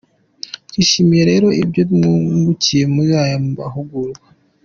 Twishimiye rero ibyo mwungukiye muri aya mahugurwa”.